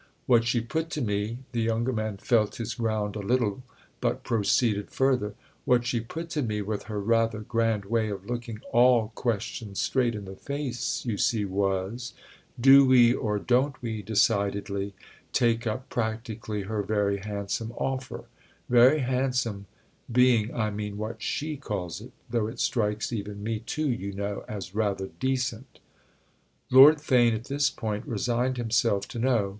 What she put to me"—the younger man felt his ground a little, but proceeded further—"what she put to me, with her rather grand way of looking all questions straight in the face, you see, was: Do we or don't we, decidedly, take up practically her very handsome offer—'very handsome' being, I mean, what she calls it; though it strikes even me too, you know, as rather decent." Lord Theign at this point resigned himself to know.